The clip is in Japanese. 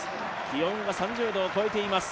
気温は３０度を超えています。